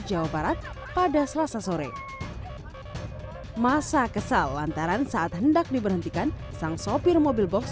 jawa barat pada selasa sore masa kesal lantaran saat hendak diberhentikan sang sopir mobil box